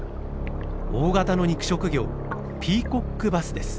大型の肉食魚ピーコックバスです。